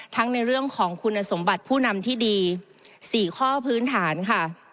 ในเรื่องของคุณสมบัติผู้นำที่ดี๔ข้อพื้นฐานค่ะ